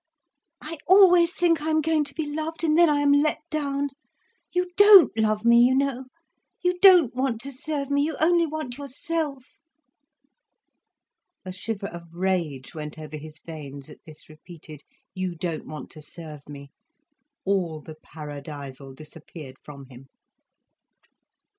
"I always think I am going to be loved—and then I am let down. You don't love me, you know. You don't want to serve me. You only want yourself." A shiver of rage went over his veins, at this repeated: "You don't want to serve me." All the paradisal disappeared from him.